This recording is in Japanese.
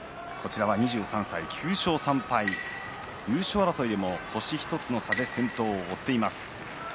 ２３歳、９勝３敗優勝争いでも星１つの差で先頭を追っています。